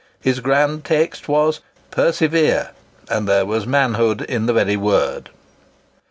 His grand text was—PERSEVERE; and there was manhood in the very word.